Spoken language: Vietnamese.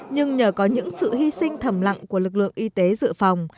nhưng nhờ có những sự hy sinh thầm lặng của lực lượng y tế dự phòng